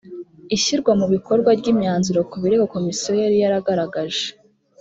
ishyirwa mu bikorwa ry imyanzuro ku birego komisiyo yari yaragaragaje